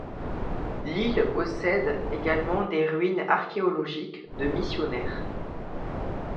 L'île possède également des ruines archéologiques de Missionnaires.